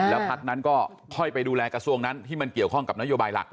แล้วพักนั้นก็ค่อยไปดูแลกระทรวงนั้นที่มันเกี่ยวข้องกับนโยบายหลัก